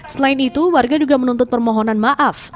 selain itu warga juga menuntut permohonan maaf